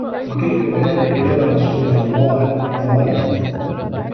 وَكَيْفَ ذَلِكَ يَا رَسُولَ اللَّهِ ؟ قَالَ